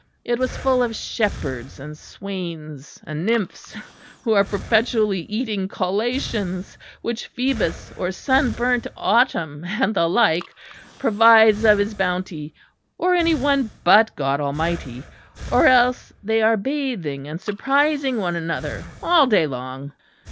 It was full of shepherds and swains and nymphs, who are perpetually eating collations which Phoebus or sunburnt Autumn, and the like, provides of his bounty; or any one but God Almighty; or else they are bathing and surprising one another all day long.